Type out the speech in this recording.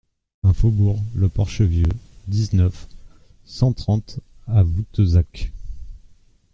un faubourg le Porche Vieux, dix-neuf, cent trente à Voutezac